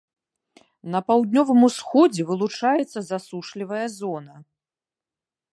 На паўднёвым усходзе вылучаецца засушлівая зона.